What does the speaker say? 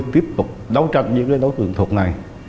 tiếp tục đấu tranh với đấu tượng thuật này